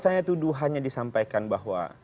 saya tuduh hanya disampaikan bahwa